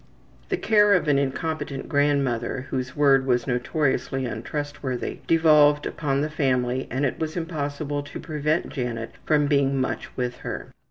The care of an incompetent grandmother, whose word was notoriously untrustworthy, devolved upon the family and it was impossible to prevent Janet from being much with her.